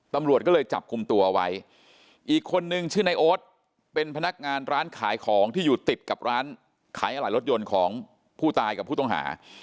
ตำรวจก็เลยจับกลุ่มตัวไว้อีกคนนึงชื่อในโอ๊ตเป็นพนักงานร้านขายของที่อยู่ติดกับร้านขายอะไหล่รถยนต์ของผู้ตายกับผู้ต้องหา